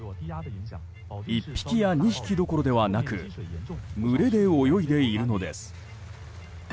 １匹や２匹どころではなく群れで泳いでいるのです。